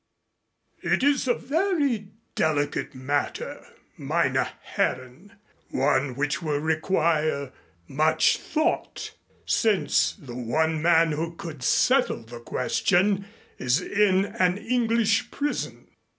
It is a very delicate matter, meine Herren, one which will require much thought, since the one man who could settle the question is in an English prison."